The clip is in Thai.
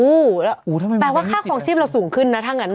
อุ้วแล้วแปลว่าค่าความชีพเราสูงขึ้นนะทั้งกัน